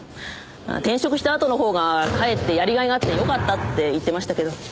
転職したあとのほうがかえってやりがいがあってよかったって言ってましたけど。